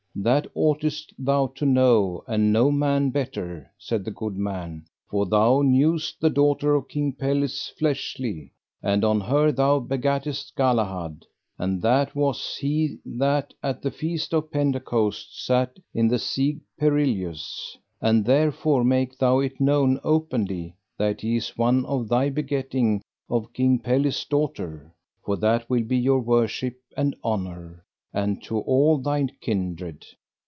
That oughtest thou to know and no man better, said the good man, for thou knewest the daughter of King Pelles fleshly, and on her thou begattest Galahad, and that was he that at the feast of Pentecost sat in the Siege Perilous; and therefore make thou it known openly that he is one of thy begetting on King Pelles' daughter, for that will be your worship and honour, and to all thy kindred.